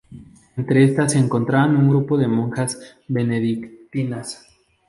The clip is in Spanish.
Entre estas se encontraban un grupo de monjas benedictinas.